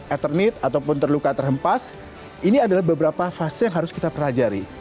ethernete ataupun terluka terhempas ini adalah beberapa fase yang harus kita pelajari